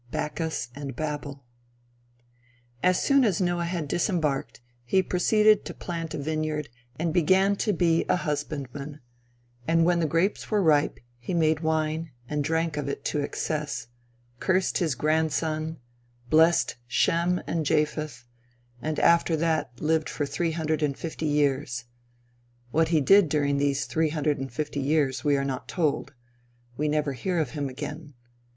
BACCHUS AND BABEL As soon as Noah had disembarked, he proceeded to plant a vineyard, and began to be a husbandman; and when the grapes were ripe he made wine and drank of it to excess; cursed his grandson, blessed Shem and Japheth, and after that lived for three hundred and fifty years. What he did during these three hundred and fifty years, we are not told. We never hear of him again.